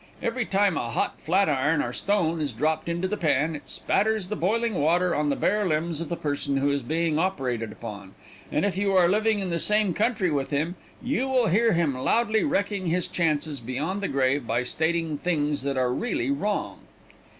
Every time a hot flat iron or stone is dropped into the pan it spatters the boiling water on the bare limbs of the person who is being operated upon, and if you are living in the same country with him, you will hear him loudly wrecking his chances beyond the grave by stating things that are really wrong.